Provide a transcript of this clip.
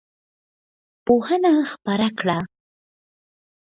پوهنه خپره کړه.